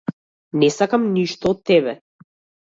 Не сакам ништо од тебе.